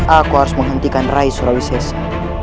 aku harus menghentikan rai sulawesi